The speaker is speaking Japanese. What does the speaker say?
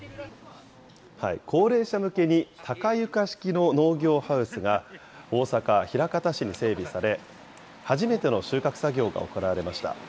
高齢者向けに、高床式の農業ハウスが、大阪・枚方市に整備され、初めての収穫作業が行われました。